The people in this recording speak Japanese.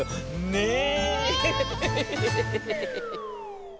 ねえ。